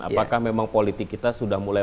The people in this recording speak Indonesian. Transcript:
apakah memang politik kita sudah mulai